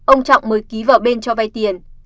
ông trọng mới ký vào bên cho vai tiền